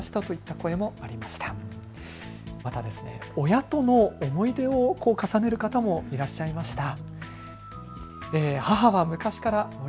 親との思い出を重ねる方もいらっしゃいました。